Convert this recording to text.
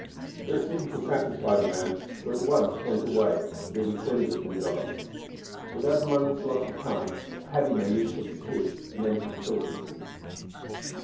This seemed to satisfy the man, who at once went away, leaving Flinders on guard. Without a moment's loss of time Paddy made use of the key and entered the prison.